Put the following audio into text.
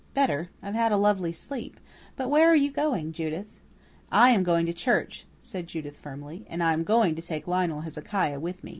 "Better. I've had a lovely sleep. But where are you going, Judith?" "I am going to church," said Judith firmly, "and I am going to take Lionel Hezekiah with me."